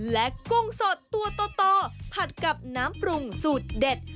และกุ้งสดตัวโตผัดกับน้ำปรุงสูตรเด็ด